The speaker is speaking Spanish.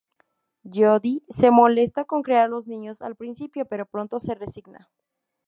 Jody se molesta con criar a los niños al principio, pero pronto se resigna.